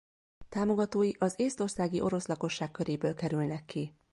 Támogatói az észtországi orosz lakosság köréből kerülnek ki.